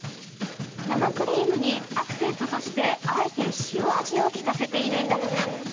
生クリームにアクセントとしてあえて塩味をきかせているんだとか。